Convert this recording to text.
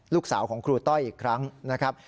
ลูกสาวของครูต้อยอีกครั้งนะครับ